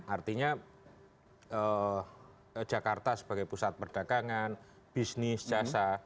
artinya jakarta sebagai pusat perdagangan bisnis jasa